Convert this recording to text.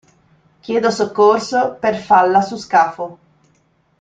Chiedo soccorso per falla su scafo.